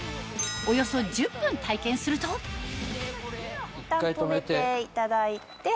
およそ１０分体験するといったん止めていただいて。